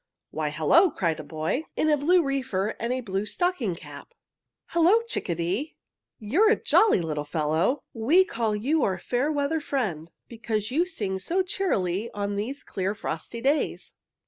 "'Why, hello,' cried a boy in a blue reefer and a blue stocking cap. 'Hello, chickadee, you're a jolly little fellow! We call you our fair weather friend because you sing so cheerily on these clear frosty days.'